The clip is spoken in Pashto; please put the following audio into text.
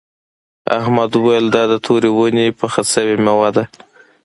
احمد وویل دا د تورې ونې پخه شوې میوه ده.